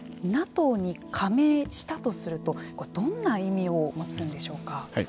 ＮＡＴＯに加盟したとするとどんな意味を持つんでしょうか。